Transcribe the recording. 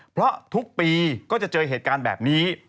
เพราะทุกปีก็จะเจอเหตุการณ์แบบนี้